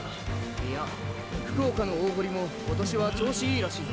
いや福岡の大濠も今年は調子いいらしいぞ。